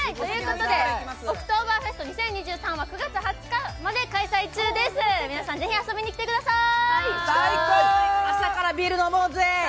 オクトーバーフェスト２０２３は９月２０日まで開催中です、皆さん遊びに来てください。